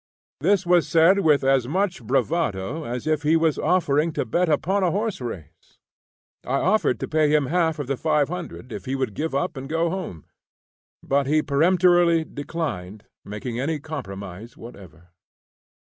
This was said with as much bravado as if he was offering to bet upon a horse race. I offered to pay him half of the $500 if he would give up and go home; but he peremptorily declined making any compromise whatever.